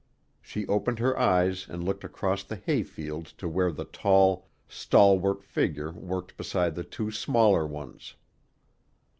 She opened her eyes and looked across the hay fields to where that tall, stalwart figure worked beside the two smaller ones.